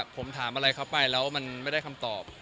ผมถามอะไรเขาไปแล้วมันไม่ได้คำตอบ